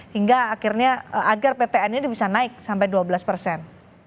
hingga akhirnya agar ppn ini bisa naik sampai dua belas persen